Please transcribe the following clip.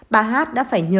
bà hát đã phải nhờ